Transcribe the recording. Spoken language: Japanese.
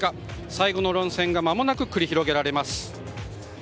最後の論戦がまもなく繰り広げられます。